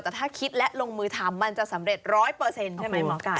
แต่ถ้าคิดและลงมือทำมันจะสำเร็จ๑๐๐ใช่ไหมหมอไก่